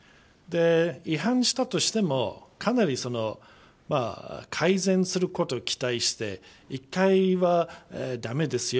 違反したとしてもかなり改善することを期待して１回は駄目ですよ。